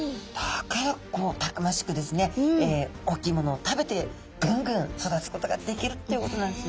だからこうたくましくですね大きいものを食べてぐんぐん育つことができるっていうことなんですね。